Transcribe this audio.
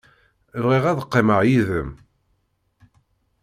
Bɣiɣ ad qqimeɣ yid-m.